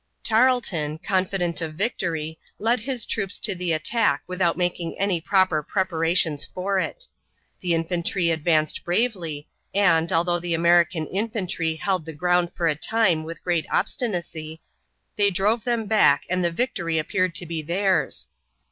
Tarleton, confident of victory, led his troops to the attack without making any proper preparations for it. The infantry advanced bravely, and, although the American infantry held the ground for a time with great obstinacy, they drove them back and the victory appeared to be theirs.